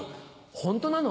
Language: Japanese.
ホントなの？